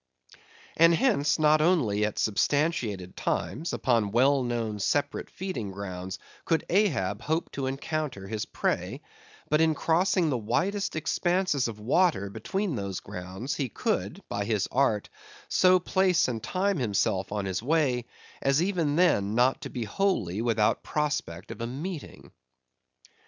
And hence not only at substantiated times, upon well known separate feeding grounds, could Ahab hope to encounter his prey; but in crossing the widest expanses of water between those grounds he could, by his art, so place and time himself on his way, as even then not to be wholly without prospect of a meeting.